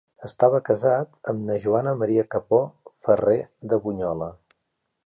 Estava casat amb na Joana Maria Capó Ferrer de Bunyola.